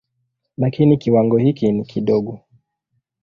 Lakini kiwango hiki ni kidogo.